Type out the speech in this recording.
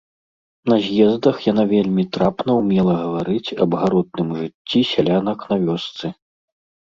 На з'ездах яна вельмі трапна ўмела гаварыць аб гаротным жыцці сялянак на вёсцы.